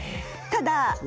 ただ？